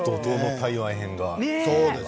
台湾編が。